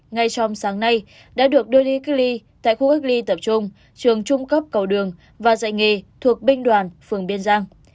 ngay trong sáng nay đã được đưa đi cách ly tại khu cách ly tập trung trường trung cấp cầu đường và dạy nghề thuộc binh đoàn phường biên giang